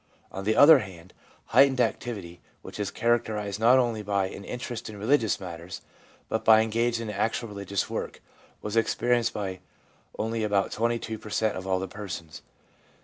On the other hand, height ened activity, which is characterised not only by an interest in religious matters, but by engaging in actual religious work, was experienced by only about 22 per cent, of all the persons.